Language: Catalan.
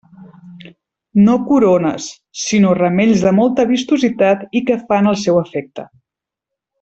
No corones, sinó ramells de molta vistositat i que fan el seu efecte.